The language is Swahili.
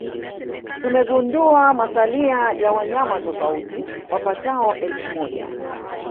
Tumegundua masalia ya wanyama tofauti wapatao elfu moja